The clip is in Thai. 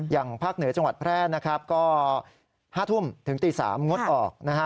อย่างภาคเหนือจังหวัดแพร่ก็๕ทุ่มถึงตี๓งดออก